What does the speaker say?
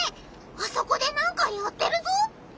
あそこで何かやってるぞ！